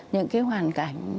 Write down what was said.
những cái hoàn cảnh